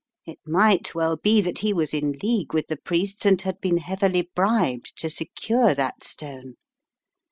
It might well be that he was in league with the priests and had been heavily bribed to secure that stone.